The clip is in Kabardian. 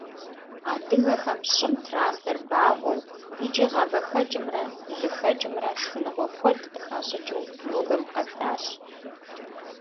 Адыгэхэм щӀым трасэр багъуэу иӀки гъавэ хэкӀымрэ лы хэкӀымрэ шхыныгъуэ куэд къыхащӀыкӀыу нобэм къэсащ.